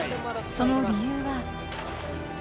その理由は。